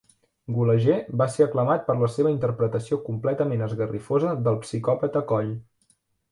Gulager va ser aclamat per la seva interpretació completament esgarrifosa del psicòpata Coll.